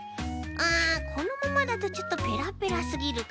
このままだとちょっとぺらぺらすぎるかな。